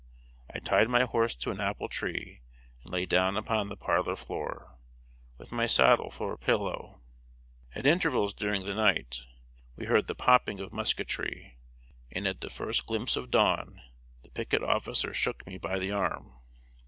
I tied my horse to an apple tree, and lay down upon the parlor floor, with my saddle for a pillow. At intervals during the night, we heard the popping of musketry, and at the first glimpse of dawn the picket officer shook me by the arm.